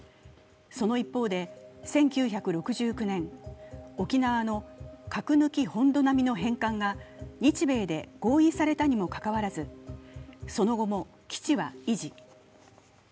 その一方で１９６９年、沖縄の核抜き・本土並みの返還が日米で合意されたにもかかわらず、その後も基地は維持。